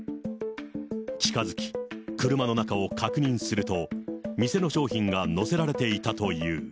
近づき、車の中を確認すると、店の商品が載せられていたという。